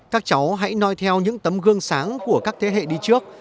các cháu hãy nói theo những tấm gương sáng của các thế hệ đi trước